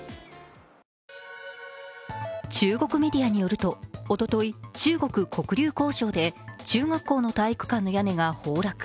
中国メディアによると、おととい、中国・黒竜江省で中学校の体育館の屋根が崩落。